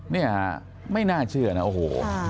เนี่ยไม่น่าเชื่อนะโอ้โห